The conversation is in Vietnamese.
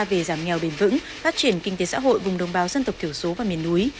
về giảm nghèo bền vững phát triển kinh tế xã hội vùng đồng bào dân tộc thiểu số và miền núi